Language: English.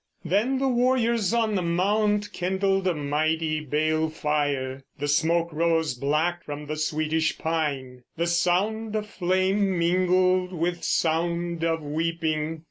Then the warriors on the mount Kindled a mighty bale fire; the smoke rose Black from the Swedish pine, the sound of flame Mingled with sound of weeping